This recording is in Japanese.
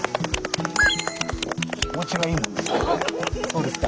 気持ちがいいもんですね。